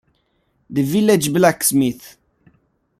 The Village Blacksmith